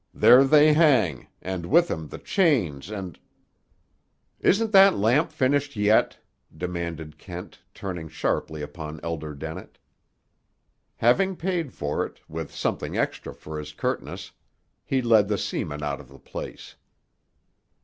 "There they hang; and with 'em the chains and—" "Isn't that lamp finished yet?" demanded Kent, turning sharply upon Elder Dennett. Having paid for it—with something extra for his curtness—he led the seaman out of the place.